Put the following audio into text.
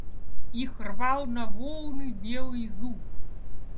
Их рвал на волны белый зуб.